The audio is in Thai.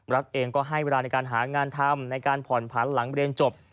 ลักษณ์เองก็ให้เวลาในการหางานทำในการผ่อนพันธุ์หลังประเด็นจบ